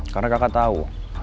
karena kakak tau